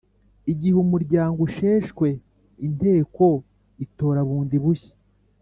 Igihe umuryango usheshwe Inteko itora bundi bushya